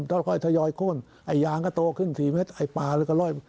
ก็ค่อยทยอยคล่นไอ้ยางก็โตขึ้นสี่เม็ดไอ้ป่าเลยก็ร่อย